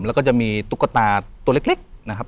แล้วก็จะมีตุ๊กตาตัวเล็กนะครับ